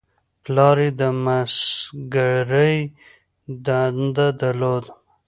پلار یې د مسګرۍ دنده درلوده.